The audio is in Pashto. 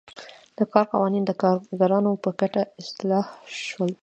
د کار قوانین د کارګرانو په ګټه اصلاح شول.